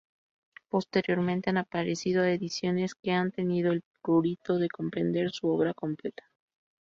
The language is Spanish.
Posteriormente, han aparecido ediciones que han tenido el prurito de comprender su obra completa.